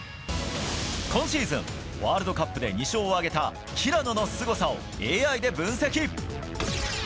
今シーズン、ワールドカップで２勝を挙げた平野のすごさをＡＩで分析。